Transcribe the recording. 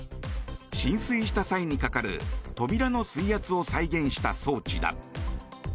浸水した際にかかる扉の水圧を再現した装置だ。